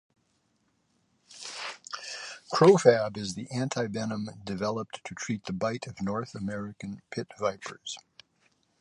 Crofab is the antivenom developed to treat the bite of North American pit-vipers.